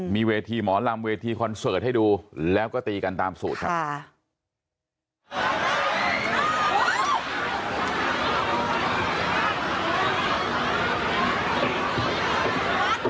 มีเวทีหมอลำเวทีคอนเสิร์ตให้ดูแล้วก็ตีกันตามสูตรครับ